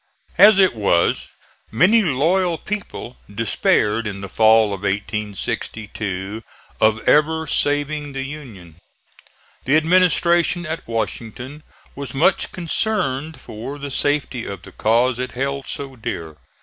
As it was, many loyal people despaired in the fall of 1862 of ever saving the Union. The administration at Washington was much concerned for the safety of the cause it held so dear.